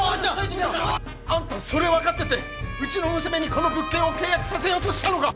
あんたそれ分かっててうちの娘にこの物件を契約させようとしたのか！